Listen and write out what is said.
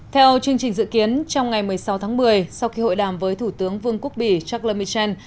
theo chương trình dự kiến trong ngày một mươi sáu tháng một mươi sau khi hội đàm với thủ tướng vương quốc bỉ charles michel